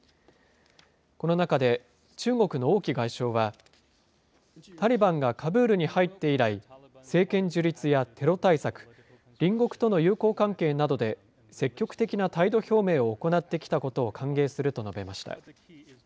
この中で、中国の王毅外相は、タリバンがカブールに入って以来、政権樹立やテロ対策、隣国との友好関係などで積極的な態度表明を行ってきたことを歓迎すると述べました。